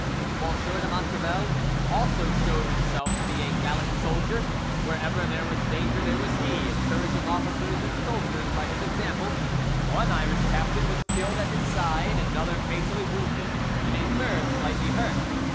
M. de Montrevel also showed himself to be a gallant soldier; wherever there was danger there was he, encouraging officers and soldiers by his example: one Irish captain was killed at his side, another fatally wounded, and a third slightly hurt.